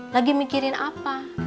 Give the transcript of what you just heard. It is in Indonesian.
lagi mikirin apa